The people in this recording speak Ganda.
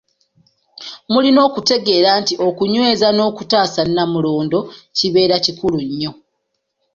Mulina okutegeera nti okunyweza n'okutaasa Nnamulondo, kibeere kikulu nnyo.